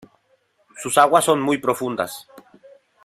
Sus aguas son muy profundas.